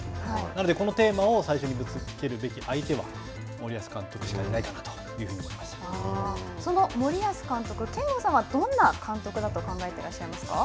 なのでこのテーマを最初にぶつけるべき相手は森保監督しかいないかなその森保監督憲剛さんはどんな監督だと考えていらっしゃいますか。